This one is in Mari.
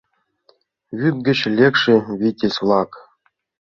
Вӱд гыч лекше витязь-влак